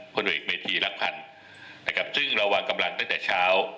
ผลเอกเมธีรักพันธ์นะครับซึ่งเราวางกำลังตั้งแต่เช้า